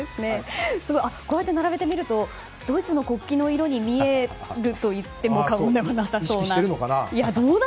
こうやって並べて見るとドイツの国旗の色に見えると言っても過言ではなさそうな。